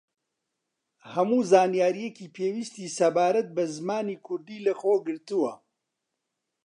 هەموو زانیارییەکی پێویستی سەبارەت بە زمانی کوردی لە خۆگرتووە